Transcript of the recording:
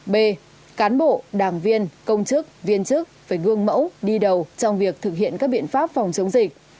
b cán bộ đảng viên công chức viên chức phải gương mẫu đi đầu trong việc thực hiện các biện pháp phòng chống dịch